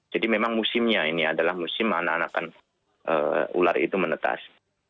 jadi memang musimnya ini adalah musim mana mana kan ular itu menetas